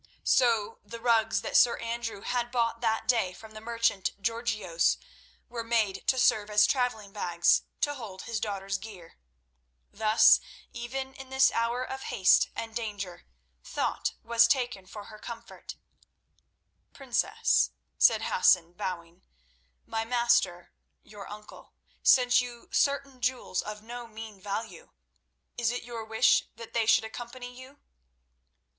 So the rugs that Sir Andrew had bought that day from the merchant Georgios were made to serve as travelling bags to hold his daughter's gear. Thus even in this hour of haste and danger thought was taken for her comfort. "Princess," said Hassan, bowing, "my master, your uncle, sent you certain jewels of no mean value. Is it your wish that they should accompany you?"